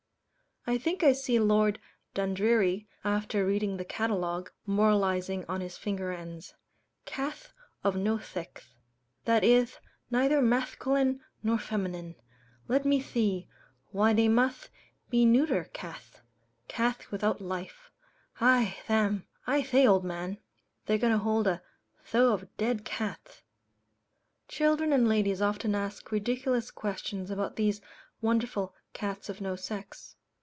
I think I see Lord Dundreary, after reading the catalogue, moralizing on his finger ends. "Catth of no theckth that ith, neither mathculine nor feminine, let me thee, why, they mutht be neuter catth catth without life. Hi! Tham; I thay, old man, they're going to hold a thow of dead catth." Children and ladies often ask ridiculous questions about these wonderful "cats of no sex."